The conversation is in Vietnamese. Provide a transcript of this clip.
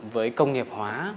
với công nghiệp hóa